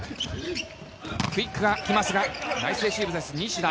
クイックが来るが、ナイスレシーブです、西田。